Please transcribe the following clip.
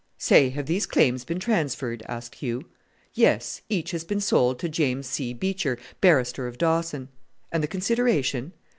"Say! have these claims been transferred?" asked Hugh. "Yes, each has been sold to James C. Beecher, barrister, of Dawson." "And the consideration?"